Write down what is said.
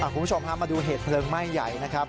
คุณผู้ชมพามาดูเหตุเพลิงไหม้ใหญ่นะครับ